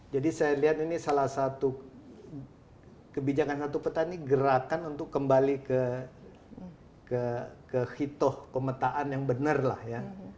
jadi saya lihat ini salah satu kebijakan satu peta ini gerakan untuk kembali ke hitoh kemetaan yang bener lah ya